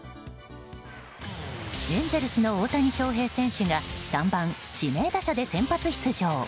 エンゼルスの大谷翔平選手が３番指名打者で先発出場。